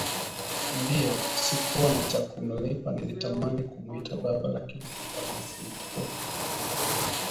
Ndio! sikuwa na cha kumlipa, nilitamani kumuita Baba lakini haikuwa na isingekuwa